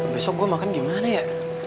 besok gue makan gimana ya